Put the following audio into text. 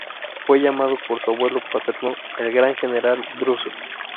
Fue llamado por su abuelo paterno "el gran general Druso".